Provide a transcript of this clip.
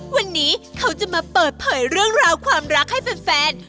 วันนี้เขาจะมาเปิดเผยเรื่องราวความรักให้แฟน